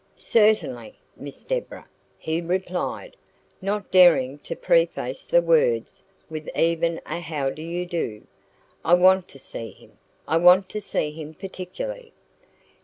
"Certainly, Miss Deborah," he replied, not daring to preface the words with even a "How do you do". "I want to see him I want to see him particularly."